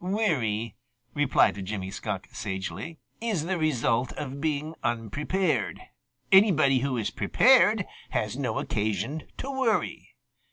"Worry," replied Jimmy Skunk sagely, "is the result of being unprepared. Anybody who is prepared has no occasion to worry.